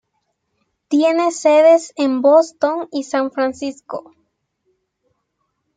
Tiene sedes en Boston y San Francisco.